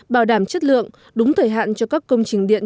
bảo đảm chất lượng đúng thời hạn cho các công trình điện